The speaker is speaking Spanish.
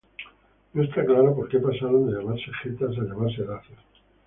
No está claro porque pasaron de llamarse getas a llamarse dacios.